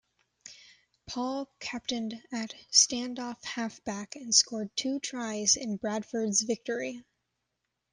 Paul captained at stand-off half back and scored two tries in Bradford's victory.